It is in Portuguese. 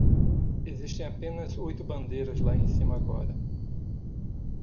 Existem apenas oito bandeiras lá em cima agora.